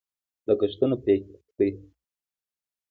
لګښتونه پرې کړي.